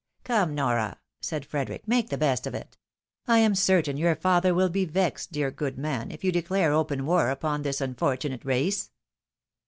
" Come, Nora," said Frederic, " make the best of it. I am certain your father will be vexed, dear good man, if you declare open war upon this unfortunate race."